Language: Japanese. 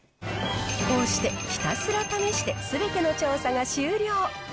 こうしてひたすら試してすべての調査が終了。